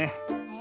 え